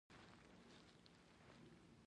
نه د ټکټ اخیستلو تشویش لرم او نه د هوټل غم.